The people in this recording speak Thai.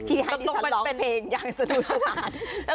ที่ให้ดิฉันร้องเป็นเพลงอย่างสนุกสนาน